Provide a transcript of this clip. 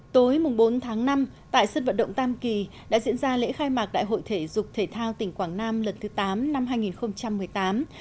tối bốn tháng năm tại sân vận động tam kỳ đã diễn ra lễ khai mạc đại hội thể dục thể thao tỉnh quảng nam lần thứ tám năm hai nghìn một mươi tám